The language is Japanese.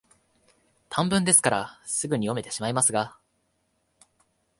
短文ですから、すぐに読めてしまいますが、